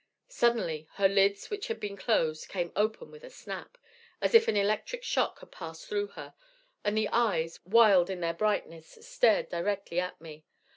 Suddenly her lids, which had been closed, came open with a snap, as if an electric shock had passed through her, and the eyes, wild in their brightness, stared directly at me.